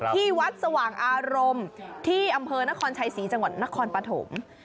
ที่วัดสว่างอารมณ์ที่อำเภอนครชัยศรีจังหวัดนครปฐม